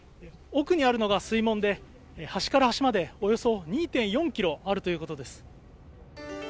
奥にあるのが水門で、端から端までおよそ２．４ｋｍあるということです。